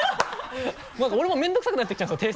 何か俺も面倒くさくなってきちゃうんですよ